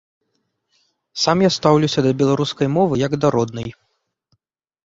Сам я стаўлюся да беларускай мовы як да роднай.